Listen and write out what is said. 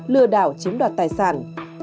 lừa đảo chiếm đoạt tài sản